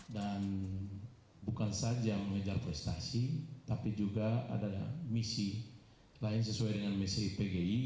dan bukan saja mengejar prestasi tapi juga ada misi lain sesuai dengan misi pgi